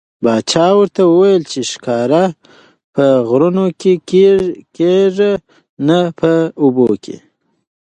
پاچا ورته وویل چې ښکار په غرونو کې کېږي نه په اوبو کې.